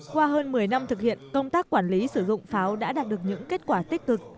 qua hơn một mươi năm thực hiện công tác quản lý sử dụng pháo đã đạt được những kết quả tích cực